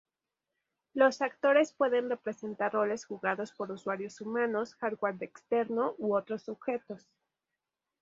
Los actores pueden representar roles jugados por usuarios humanos, hardware externo, u otros sujetos.